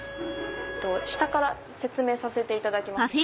下から説明させていただきますね。